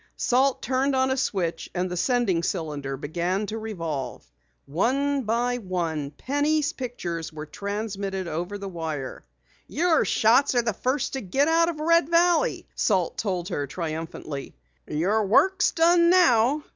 Salt turned on a switch and the sending cylinder began to revolve. One by one Penny's pictures were transmitted over the wire. "Your shots are the first to get out of Red Valley!" Salt told her triumphantly. "Your work's done now.